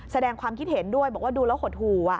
แสดงความคิดเห็นด้วยบอกว่าดูแล้วหดหู่